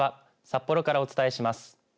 札幌からお伝えします。